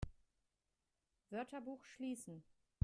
Wörterbuch schließen!